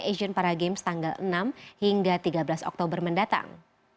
asian paragames tanggal enam hingga tiga belas oktober mendatang